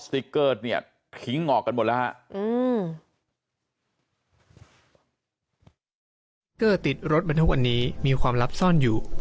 สติ๊กเกอร์เนี่ยทิ้งออกกันหมดแล้วบันนี้มีความลับซ่อน